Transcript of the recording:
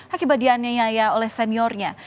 akibat dianyaya oleh seniornya